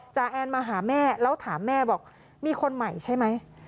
แอนมาหาแม่แล้วถามแม่บอกมีคนใหม่ใช่ไหม